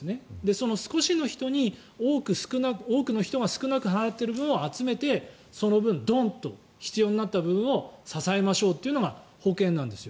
その少しの人に多くの人が少なく払っている分集めてその分ドンと必要になった部分を支えましょうというのが保険なんです。